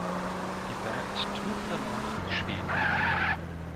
Die Band tourte danach durch Schweden.